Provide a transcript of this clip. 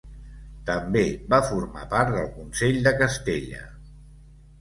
També va formar part del Consell de Castella.